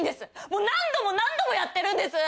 もう何度も何度もやってるんです！